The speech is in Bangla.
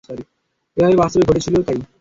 এভাবে বাস্তবে ঘটেছিলও তাই।